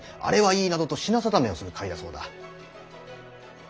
「あれはいい」などと品定めをする会だそうだ。